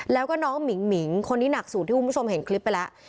แล้วก็น้องหมิ่งหมิงคนนี้หนักสุดที่คุณผู้ชมเห็นคลิปไปแล้ว